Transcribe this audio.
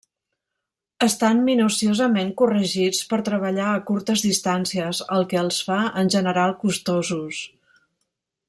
Estan minuciosament corregits per treballar a curtes distàncies, el que els fa en general costosos.